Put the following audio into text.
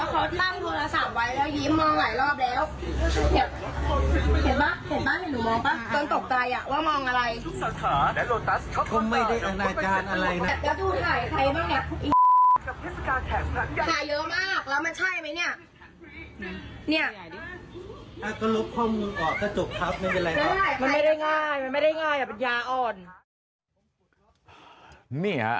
หนูมองปะตอนตกตายอะว่ามองอะไร